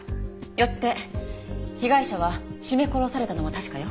よって被害者は絞め殺されたのは確かよ。